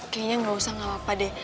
kayaknya nggak usah gapapa deh